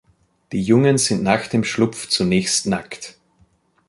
Die Jungen sind nach dem Schlupf zunächst nackt.